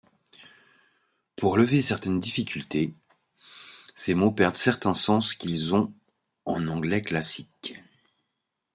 Pour lever certaines difficultés, ces mots perdent certains sens qu'ils ont en anglais classique.